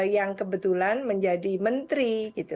yang kebetulan menjadi menteri